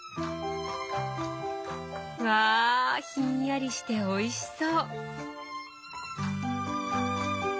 わひんやりしておいしそう！